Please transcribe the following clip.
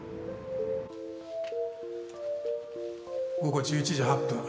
午後１１時８分。